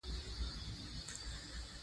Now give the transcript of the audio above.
نمک د افغانستان د ښاري پراختیا سبب کېږي.